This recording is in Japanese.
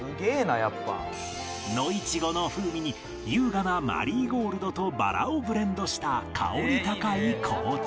野いちごの風味に優雅なマリーゴールドとバラをブレンドした香り高い紅茶